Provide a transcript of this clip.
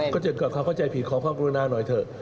ก็เจ็บก่อความเข้าใจผิดของไม่ต้องกุลนาหน่อยเถอะ